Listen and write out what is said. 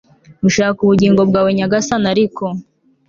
gushaka ub gingo bwawe Nyagasani ariko